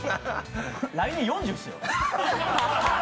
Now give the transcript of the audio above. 来年、４０っすよ。